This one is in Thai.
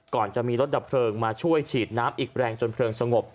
ก่อนจะมีรถดับเพลิงมาช่วยฉีดน้ำอีกแรงจนเพลิงสงบ